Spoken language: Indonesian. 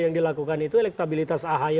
yang dilakukan itu elektabilitas ahy